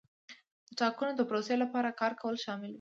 د ټاکنو د پروسې لپاره کار کول شامل وو.